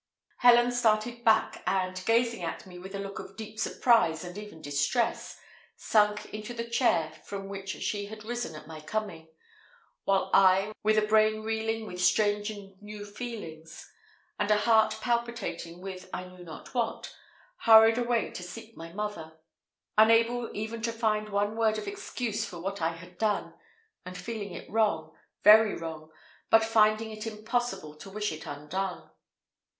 Helen started back, and, gazing at me with a look of deep surprise and even distress, sunk into the chair from which she had risen at my coming; while I, with a brain reeling with strange and new feelings, and a heart palpitating with I knew not what, hurried away to seek my mother; unable even to find one word of excuse for what I had done, and feeling it wrong, very wrong, but finding it impossible to wish it undone.